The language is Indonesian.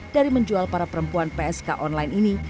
dari menjual para perempuan psk online ini